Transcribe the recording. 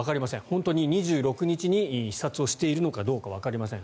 本当に２６日に視察をしているのかどうかわかりません。